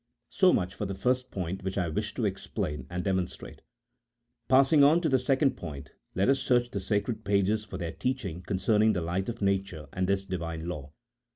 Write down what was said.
So much for the first point which I wished to explain and de monstrate. Passing on to the second point, let us search the sacred pages for their teaching concerning the light of nature and this Divine law.